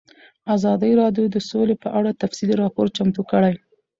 ازادي راډیو د سوله په اړه تفصیلي راپور چمتو کړی.